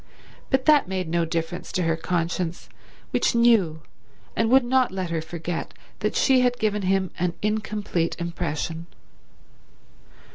But that made no difference to her conscience, which knew and would not let her forget that she had given him an incomplete impression.